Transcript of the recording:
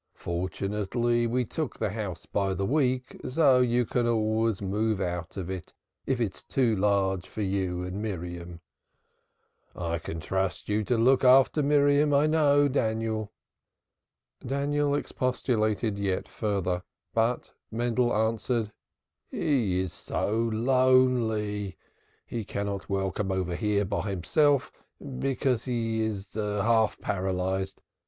"Fortunately we took the house by the week, so you can always move out if it is too large for you and Miriam. I can trust you to look after Miriam, I know, Daniel." Daniel expostulated yet further, but Mendel answered: "He is so lonely. He cannot well come over here by himself because he is half paralyzed.